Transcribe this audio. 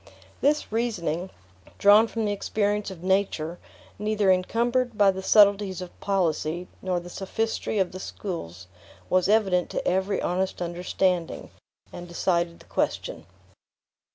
This reasoning, drawn from the experience of nature, neither encumbered by the subtleties of policy nor the sophistry of the schools, was evident to every honest understanding, and decided the question.